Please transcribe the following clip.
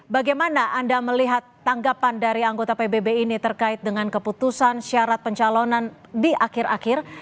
bagaimana anda melihat tanggapan dari anggota pbb ini terkait dengan keputusan syarat pencalonan di akhir akhir